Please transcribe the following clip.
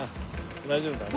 大丈夫だね。